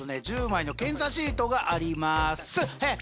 １０枚の検査シートがありますっ。